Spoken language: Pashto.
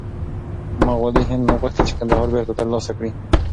مغولي هند غوښتل چې کندهار بېرته ترلاسه کړي.